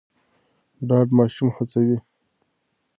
ډاډ ماشوم هڅوي.